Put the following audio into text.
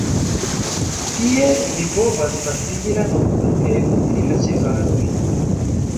Tie vi povas pasigi la nokton kaj nutri la ĉevalojn.